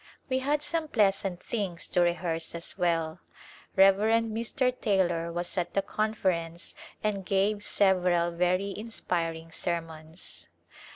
We had some pleasant things to rehearse as well. Rev. Mr. Taylor was at the Conference and gave several very inspiring sermons.